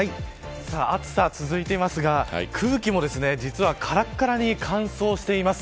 暑さ続いていますが空気もからからに乾燥しています。